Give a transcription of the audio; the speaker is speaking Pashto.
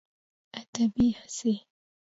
ادبي هڅې